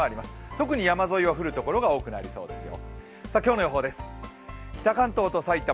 特に山沿いは降るところが多くなりそうですよ。